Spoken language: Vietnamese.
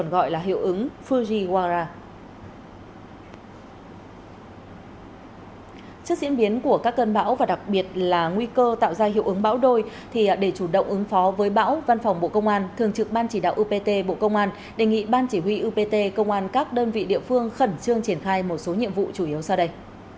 trước diễn biến của các cơn bão và đặc biệt là nguy cơ tạo ra hiệu ứng bão đôi thì để chủ động ứng phó với bão văn phòng bộ công an thường trực ban chỉ đạo upt bộ công an đề nghị ban chỉ huy upt công an các đơn vị địa phương khẩn trương triển khai một số nhiệm vụ chủ yếu sau đây